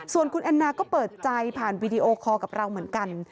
ส่วนคุณแอนนาก็เปิดใจผ่านวีดีโอคอลกับเราเหมือนกัน